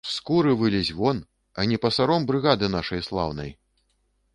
З скуры вылезь вон, а не пасаром брыгады нашай слаўнай.